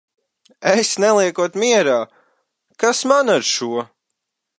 Es neliekot mierā? Kas man ar šo!